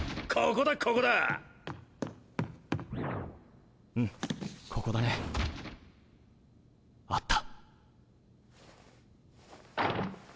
ここだうんここだねあった！